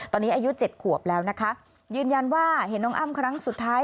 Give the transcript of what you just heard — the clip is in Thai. ตอนนี้อายุเจ็ดขวบแล้วนะคะยืนยันว่าเห็นน้องอ้ำครั้งสุดท้าย